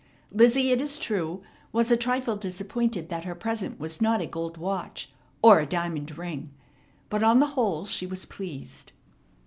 Lizzie, it is true, was a trifle disappointed that her present was not a gold watch or a diamond ring; but on the whole she was pleased.